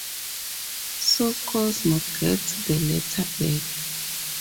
So Cosmo gets the letter back.